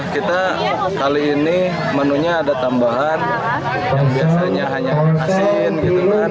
kita kali ini menunya ada tambahan yang biasanya hanya asin gitu kan